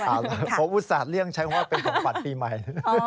ผมอุตส่าห์เลี่ยงใช้ว่าเป็นของฝันปีใหม่